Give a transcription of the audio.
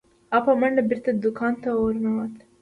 هغه په منډه بیرته دکان ته ورنوت.